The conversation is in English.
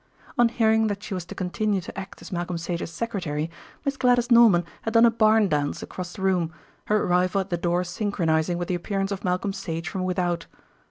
On hearing that she was to continue to act as Malcolm Sage's secretary, Miss Gladys Norman had done a barn dance across the room, her arrival at the door synchronising with the appearance of Malcolm Sage from without.